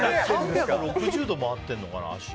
３６０度回ってるのかな、脚。